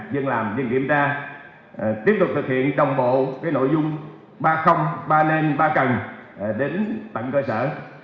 dân làm dân kiểm tra tiếp tục thực hiện đồng bộ nội dung ba ba nên ba cần đến tận cơ sở